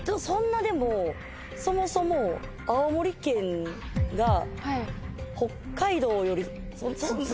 そんなでもそもそも青森県が北海道より。